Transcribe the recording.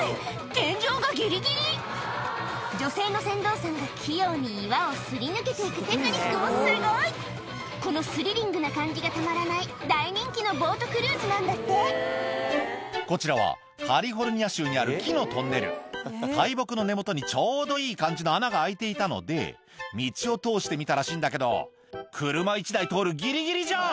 天井がギリギリ女性の船頭さんが器用に岩を擦り抜けていくテクニックもすごいこのスリリングな感じがたまらない大人気のボートクルーズなんだってこちらはカリフォルニア州にある木のトンネル大木の根元にちょうどいい感じの穴が開いていたので道を通してみたらしいんだけど車１台通るギリギリじゃん！